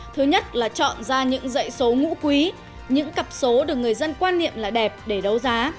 thứ nhất là chọn ra những dãy số ngũ quý những cặp số được người dân quan niệm là đẹp để đấu giá